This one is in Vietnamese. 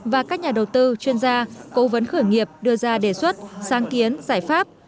và các nhà đầu tư chuyên gia cố vấn khởi nghiệp đưa ra đề xuất sáng kiến giải pháp